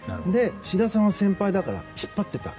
志田さんは先輩だから引っ張っていた。